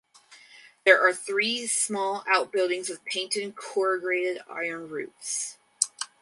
There are three small outbuildings with painted corrugated iron roofs.